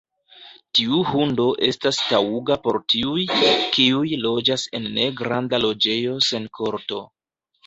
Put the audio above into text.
Tiu hundo estas taŭga por tiuj, kiuj loĝas en negranda loĝejo sen korto.